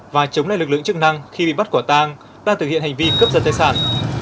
và chống lại lực lượng chức năng khi bị bắt quả tang đang thực hiện hành vi cướp giật tài sản